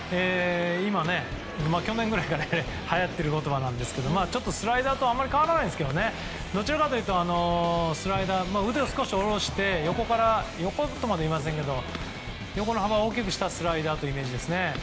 去年ぐらいからはやっている言葉ですがスライダーとあまり変わらないんですがどちらかというと腕を少し下ろして横とまでは言いませんが横の幅を大きくしたスライダーというイメージです。